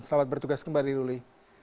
selamat bertugas kembali ruli